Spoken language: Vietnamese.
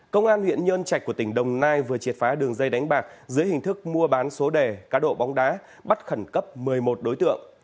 công an huyện nhân trạch của tỉnh đồng nai vừa triệt phá đường dây đánh bạc dưới hình thức mua bán số đề cá độ bóng đá bắt khẩn cấp một mươi một đối tượng